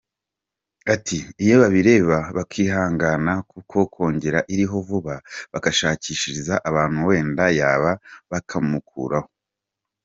Ati “Iyo babireba bakihangana kuko kongere iriho vuba, bagaashishikariza abantu, wenda yaba bakamukuraho.